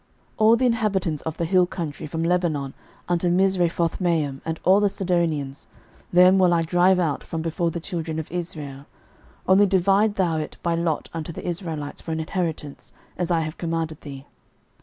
06:013:006 All the inhabitants of the hill country from Lebanon unto Misrephothmaim, and all the Sidonians, them will I drive out from before the children of Israel: only divide thou it by lot unto the Israelites for an inheritance, as I have commanded thee.